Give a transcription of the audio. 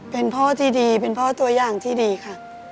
เป็นพ่อที่ดีเป็นพ่อตัวอย่างที่ดีค่ะ